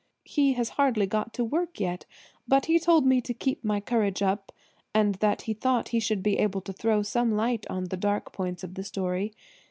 He has hardly got to work yet; but he told me to keep my courage up, and that he thought he should be able to throw some light on the dark points of the story.